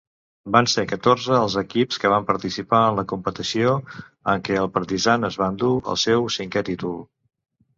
Van ser catorze els equips que van participar a la competició, en què el Partizan es va endur el seu cinquè títol.